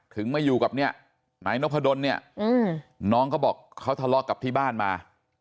มาอยู่กับเนี่ยนายนพดลเนี่ยน้องเขาบอกเขาทะเลาะกับที่บ้านมา